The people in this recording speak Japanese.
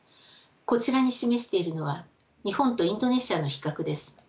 こちらに示しているのは日本とインドネシアの比較です。